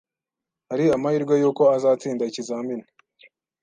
Hari amahirwe yuko azatsinda ikizamini.